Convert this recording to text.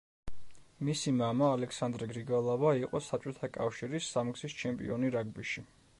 მისი მამა, ალექსანდრე გრიგალავა იყო საბჭოთა კავშირის სამგზის ჩემპიონი რაგბიში.